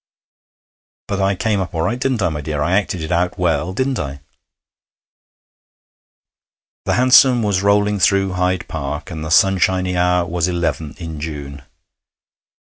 But I came up all right, didn't I, my dear? I acted it out well, didn't I?' The hansom was rolling through Hyde Park, and the sunshiny hour was eleven in June.